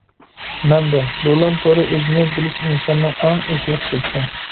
مەنبە: دولان تورى ئۆزىنى بىلىش ئىنساننىڭ ئەڭ ئېسىل خىسلىتى!